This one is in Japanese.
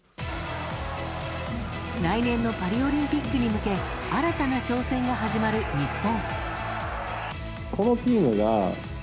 来年のパリオリンピックに向け新たな挑戦が始まる日本。